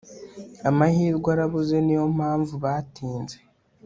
Amahirwe arabuze niyo mpamvu batinze